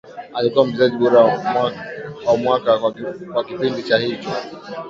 Alikuwa mchezaji bora wa mwaka kwa kipindi cha hicho